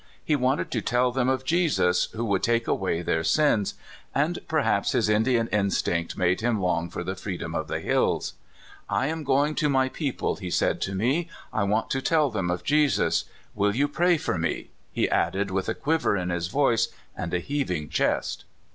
He wanted to tell them of Jesus, who could take away their sins; and perhaps his Indian instmct made him long for the freedom of the hills. " I am going to my people," he said to me; *' I want to tell them of Jesus. Will you pray for me?" he added, with a quiver in his voice and a heaving chest.